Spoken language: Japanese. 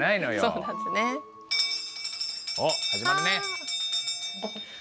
おっ始まるね。